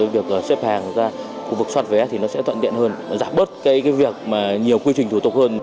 việc xếp hàng ra khu vực xoát vé thì nó sẽ thuận tiện hơn giảm bớt cái việc mà nhiều quy trình thủ tục hơn